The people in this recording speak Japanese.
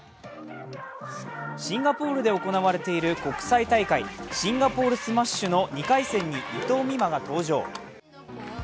シンガポールで行われている国際大会、シンガポールスマッシュの２回戦に伊藤美誠が登場。